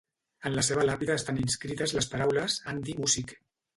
En la seva làpida estan inscrites les paraules "An die Musik".